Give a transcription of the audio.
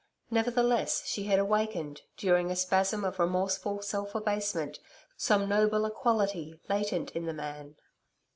Nevertheless, she had awakened, during a spasm of remorseful self abasement, some nobler quality latent in the man.